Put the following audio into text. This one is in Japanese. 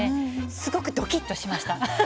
すごく、どきっとしました。